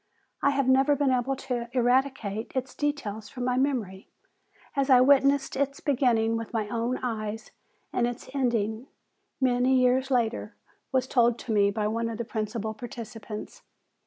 I have never been able to eradicate its details from my memory, as I witnessed its beginning with my own eyes, and its ending, many years later, was told to me by one of the principal participants."